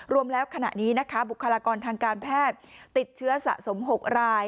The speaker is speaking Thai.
รวมแล้วขณะนี้นะคะบุคลากรทางการแพทย์ติดเชื้อสะสม๖ราย